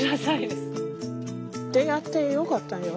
出会ってよかったよ。